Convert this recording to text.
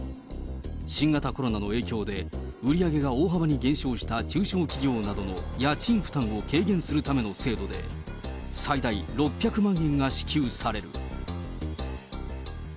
新型コロナの影響で、売り上げが大幅に減少した中小企業などの家賃負担を軽減するための制度で、最大６００万円が支給される。